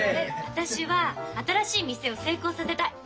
私は新しい店を成功させたい。